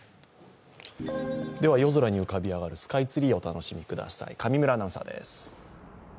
夜空に浮かび上がるスカイツリーをお楽しみください。